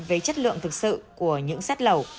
với chất lượng thực sự của những xét lẩu